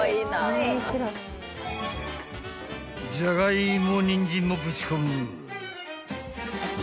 ［ジャガイモニンジンもぶち込む］